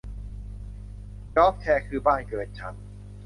ยอร์คแชร์คือบ้านเกิดฉัน